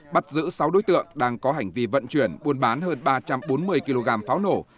bắt giữ sáu đối tượng đang có hành vi vận chuyển buôn bán hơn ba trăm bốn mươi kg pháo nổ